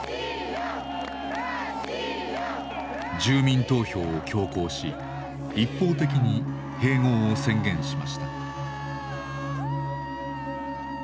住民投票を強行し一方的に併合を宣言しました。